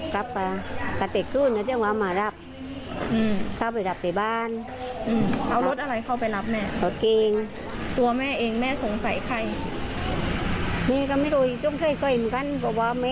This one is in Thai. แก่ตัวแรกแก่ตัวอีก